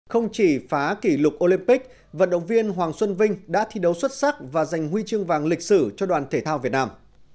không chỉ phá kỷ lục olympic vận động viên hoàng xuân vinh đã thi đấu xuất sắc và giành huy chương vàng lịch sử cho đoàn thể thao việt nam